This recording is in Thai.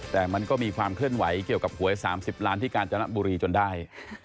แต่มันก็มีความเคลื่อนไหวเกี่ยวกับหวย๓๐ล้านที่กาญจนบุรีจนได้